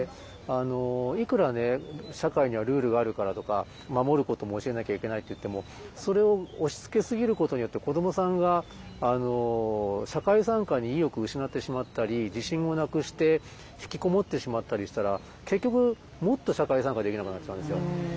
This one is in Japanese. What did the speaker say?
いくらね社会にはルールがあるからとか守ることも教えなきゃいけないといってもそれを押しつけ過ぎることによって子どもさんが社会参加に意欲失ってしまったり自信をなくしてひきこもってしまったりしたら結局もっと社会参加できなくなってしまうんですよ。